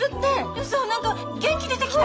ウソ何か元気出てきた！